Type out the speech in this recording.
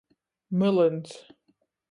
Mylyns.